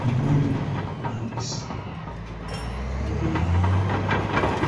Omuwendo nnampisa: ebyokuyiga